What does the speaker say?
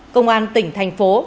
công an tỉnh thành phố